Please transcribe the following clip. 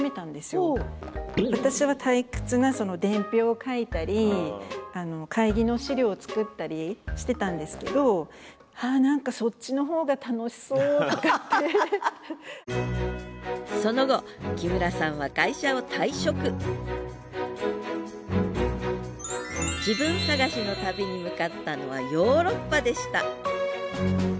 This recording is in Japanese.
私は退屈な伝票を書いたり会議の資料を作ったりしてたんですけどその後木村さんは会社を退職自分探しの旅に向かったのはヨーロッパでした。